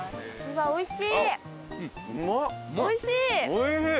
おいしい！